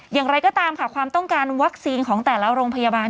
อย่างไรก็ตามค่ะความต้องการวัคซีนของแต่ละโรงพยาบาล